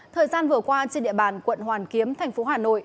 thời gian vừa qua trên địa bàn quận hoàn kiếm thành phố hà nội